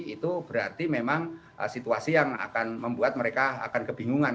itu berarti memang situasi yang akan membuat mereka akan kebingungan